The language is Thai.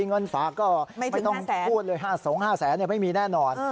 เงินฝากก็ไม่ต้องพูดเลย๕สงฆ๕แสนไม่มีแน่นอน